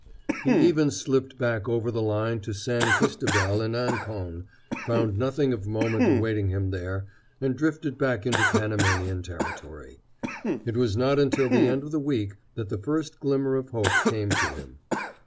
He even slipped back over the line to San Cristobel and Ancon, found nothing of moment awaiting him there, and drifted back into Panamanian territory. It was not until the end of the week that the first glimmer of hope came to him.